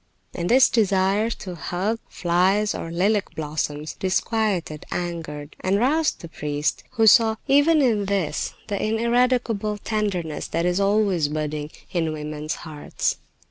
And this desire to "hug" flies or lilac blossoms disquieted, angered, and roused the priest, who saw, even in this, the ineradicable tenderness that is always budding in women's hearts.